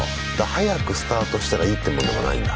早くスタートしたらいいってもんでもないんだ。